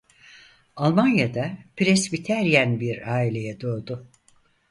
Almanya'da presbiteryenbir aileye doğdu.